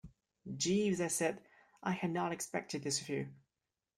"Jeeves," I said, "I had not expected this of you."